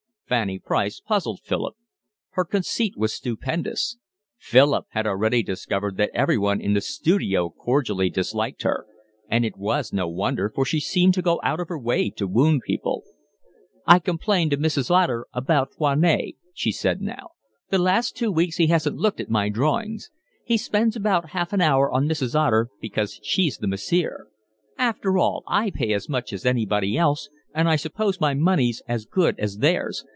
Fanny Price puzzled Philip. Her conceit was stupendous. Philip had already discovered that everyone in the studio cordially disliked her; and it was no wonder, for she seemed to go out of her way to wound people. "I complained to Mrs. Otter about Foinet," she said now. "The last two weeks he hasn't looked at my drawings. He spends about half an hour on Mrs. Otter because she's the massiere. After all I pay as much as anybody else, and I suppose my money's as good as theirs.